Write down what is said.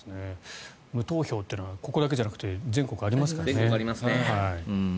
無投票というのはここだけじゃなくて全国ありますからね。